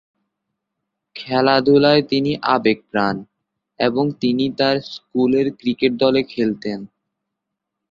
খেলাধুলায় তিনি আবেগ প্রাণ এবং তিনি তার স্কুল এর ক্রিকেট দলে খেলতেন।